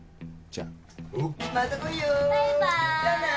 じゃあな。